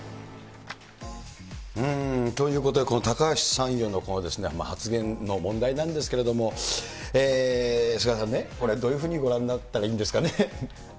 ということで、この高橋参与のこの発言の問題なんですけれども、菅原さんね、これ、どのようにご覧になったらいいんですかね？